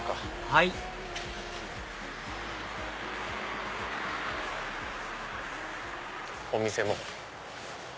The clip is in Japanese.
はいお店も。